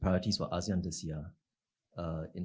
prioritas indonesia untuk asean tahun ini